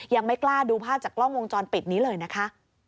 ยังไม่กล้าดูภาพจากกล้องวงจรปิดนี้เลยนะคะ